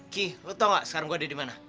ki lu tau nggak sekarang gue ada di mana